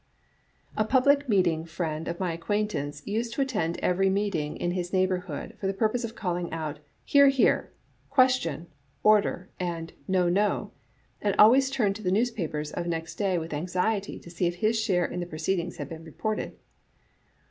"A public meeting friend of my acquaintance used to attend every meeting in his neighborhood for the purpose of calling out, *Hear, hear,* 'Question,' 'Or der,' and 'No, no,' and always turned to the newspapers of next day with anxiety to see if his share in the pro ceedings had been reported.